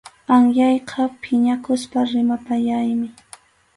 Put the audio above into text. Anyayqa phiñakuspa rimapayaymi.